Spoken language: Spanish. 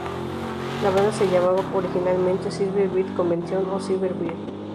La banda se llamaba originalmente "Silver Bird Convention" o "Silver Bird".